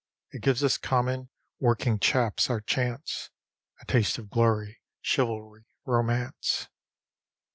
It gives us common, working chaps our chance, A taste of glory, chivalry, romance.